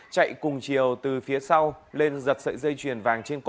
chạy cùng chiều từ phía sau lên giật sợi dây chuyền vàng trên cổ